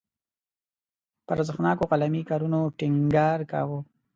پر ارزښتناکو قلمي کارونو ټینګار کاوه.